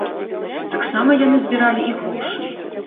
Таксама яны збіралі і грошы.